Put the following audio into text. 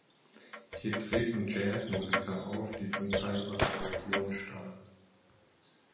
Hier treten Jazzmusiker auf, die zum Teil aus der Region stammen.